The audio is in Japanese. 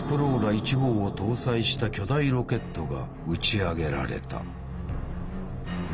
１号を搭載した巨大ロケットが打ち上げられた。